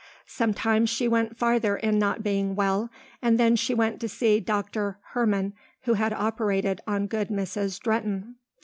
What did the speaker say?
Sometimes she went farther in not being well, and then she went to see Dr. Herman who had operated on good Mrs. Drehten.